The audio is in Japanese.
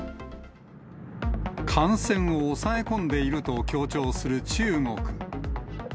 感染を抑え込んでいると強調する中国。